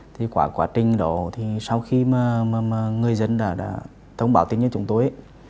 thì quả trình đó thì sau khi mà người dân đã thông báo tin cho chúng tôi